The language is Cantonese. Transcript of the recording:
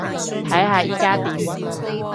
睇下依加點